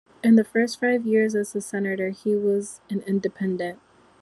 In the first five years as senator, he was an independent.